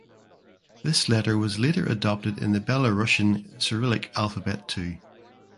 This letter was later adopted in the Belarusian Cyrillic alphabet too.